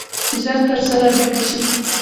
ژر تر ژره ډکه شي.